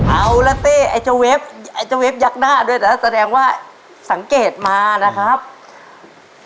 เอาลาตี่ไอ้เจ้าเวฟ